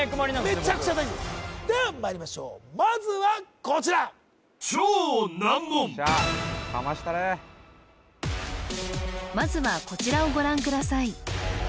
僕めちゃくちゃ大事ですではまいりましょうまずはこちらよっしゃーかましたれまずはこちらをご覧ください